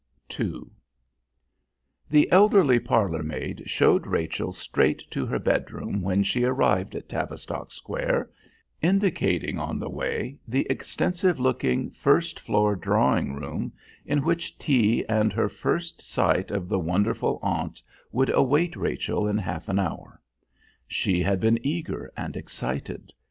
II The elderly parlour maid showed Rachel straight to her bedroom when she arrived at Tavistock Square, indicating on the way the extensive looking first floor drawing room, in which tea and her first sight of the wonderful aunt would await Rachel in half an hour. She had been eager and excited.